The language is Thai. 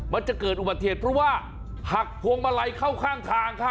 มันจะเกิดอุบัติเหตุเพราะว่าหักพวงมาลัยเข้าข้างทางครับ